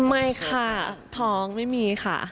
ไม่ค่ะท้องไม่มีค่ะ